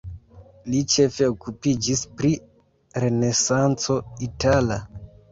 Li ĉefe okupiĝis pri renesanco itala.